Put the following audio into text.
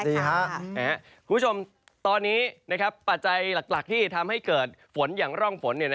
คุณผู้ชมตอนนี้ปัจจัยหลักที่ทำให้เกิดฝนอย่างร่องฝน